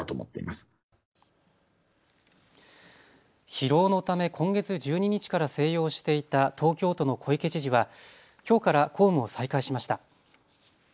疲労のため今月１２日から静養していた東京都の小池知事はきょうから公務を再開しました。